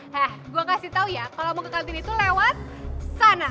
nah gue kasih tau ya kalau mau ke kantin itu lewat sana